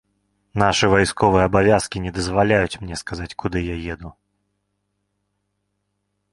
Нашы вайсковыя абавязкі не дазваляюць мне сказаць, куды я еду.